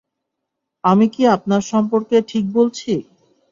আমি কি আপনার সম্পর্কে ঠিক বলছি?